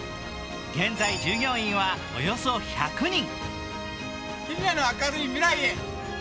現在、従業員はおよそ１００人。